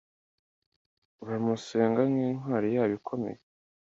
Baramusenga nk'intwari yabo ikomeye